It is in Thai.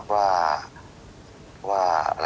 ว่า